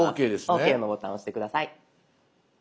「ＯＫ」のボタン押して下さい。